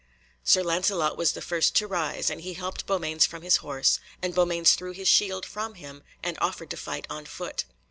Sir Lancelot was the first to rise, and he helped Beaumains from his horse, and Beaumains threw his shield from him, and offered to fight on foot.